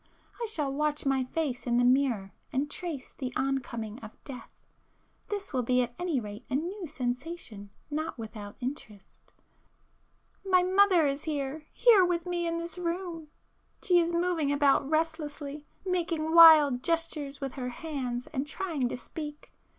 I shall watch my face in the mirror and trace the oncoming of death,—this will be at any rate a new sensation not without interest! ····· My mother is here,—here with me in this room! She is moving about restlessly, making wild gestures with her hands and trying to speak.